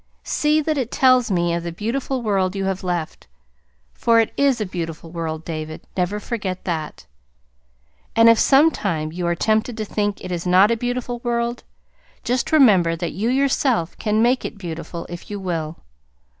See that it tells me of the beautiful world you have left for it is a beautiful world, David; never forget that. And if sometime you are tempted to think it is not a beautiful world, just remember that you yourself can make it beautiful if you will.